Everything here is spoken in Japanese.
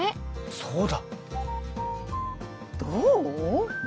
そうだ！どう？